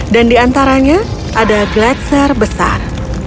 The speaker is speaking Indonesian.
dan di antaranya ada gletser besar